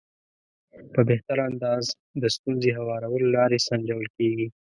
په بهتر انداز د ستونزې هوارولو لارې سنجول کېږي.